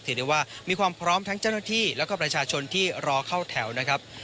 ได้ว่ามีความพร้อมทั้งเจ้าหน้าที่แล้วก็ประชาชนที่รอเข้าแถวนะครับ